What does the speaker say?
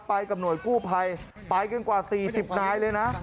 ไปกับหน่วยกู้ภัยไปกันกว่า๔๐นายเลยนะ